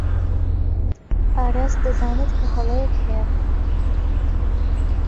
ئاراس دەزانێت کە هەڵەیەک هەیە.